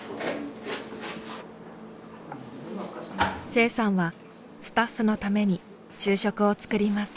清さんはスタッフのために昼食を作ります。